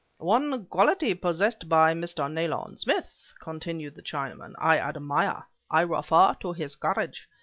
"One quality possessed by Mr. Nayland Smith," resumed the Chinaman, "I admire; I refer to his courage.